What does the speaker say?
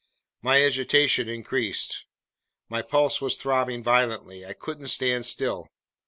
My agitation increased. My pulse was throbbing violently. I couldn't stand still.